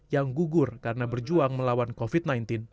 yang gugur karena berjuang melawan covid sembilan belas